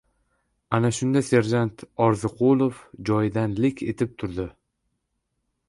Ana shunda serjant Orziqulov joyidan lik etib turdi.